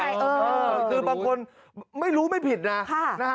เออคือบางคนไม่รู้ไม่ผิดนะนะฮะ